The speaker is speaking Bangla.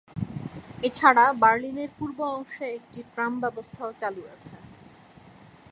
এছাড়া বার্লিনের পূর্ব অংশে একটি ট্রাম ব্যবস্থাও চালু আছে।